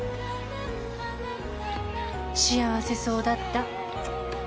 「幸せそうだった」